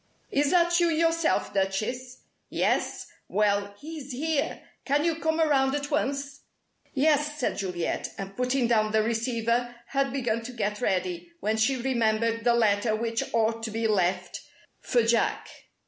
"Is that you yourself, Duchess? Yes? Well, he's here! Can you come around at once?" "Yes," said Juliet, and putting down the receiver had begun to get ready, when she remembered the letter which ought to be left for Jack.